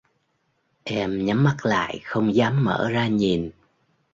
Em nhắm mắt lại không dám mở ra nhìn